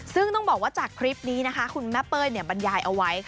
ซึ่งต้องบอกว่าจากคลิปนี้นะคะคุณแม่เป้ยบรรยายเอาไว้